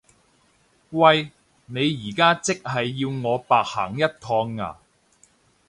喂！你而家即係要我白行一趟呀？